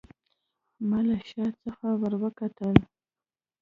ما له شا څخه وروکتل.